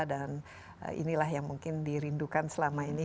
dan inilah yang mungkin dirindukan selama ini